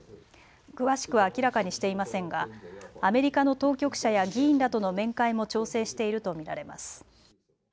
詳しくは明らかにしていませんがアメリカの当局者や議員らとの面会も調整していると見られます。